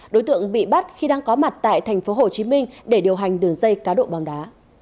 đối tượng bị bắt khi đang có mặt tại thành phố hồ chí minh để điều hành đường dây cá độ bóng đá